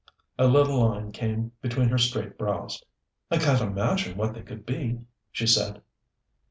A little line came between her straight brows. "I can't imagine what they could be " she said.